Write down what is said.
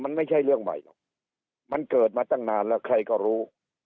มันไม่ใช่เรื่องใหม่หรอกมันเกิดมาตั้งนานแล้วใครก็รู้